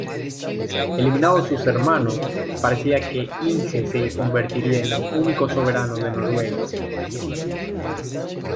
Eliminados sus hermanos, parecía que Inge se convertiría en el único soberano de Noruega.